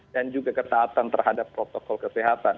dan juga ketaatan terhadap protokol kesehatan